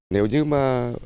nếu như mà